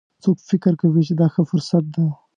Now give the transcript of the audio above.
څوک فکر کوي چې دا ښه فرصت ده